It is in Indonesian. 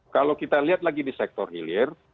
kalau kita lihat lagi di sektor hilir